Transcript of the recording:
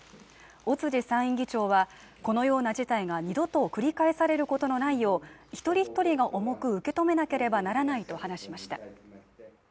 尾辻参院議長はこのような事態が二度と繰り返されることのないよう、一人一人が重く受け止めなければならないと話しました。